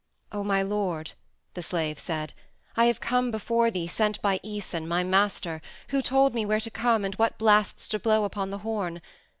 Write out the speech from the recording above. "O my lord," the slave said, "I have come before thee sent by Æson, my master, who told me where to come and what blasts to blow upon the horn.